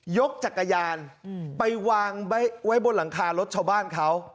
จักรยานไปวางไว้บนหลังคารถชาวบ้านเขา